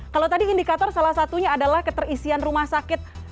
kalau tadi indikator salah satunya adalah keterisian rumah sakit